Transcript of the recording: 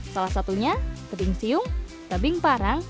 salah satunya tebing siung tebing parang